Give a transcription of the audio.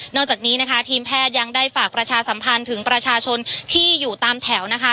จากนี้นะคะทีมแพทย์ยังได้ฝากประชาสัมพันธ์ถึงประชาชนที่อยู่ตามแถวนะคะ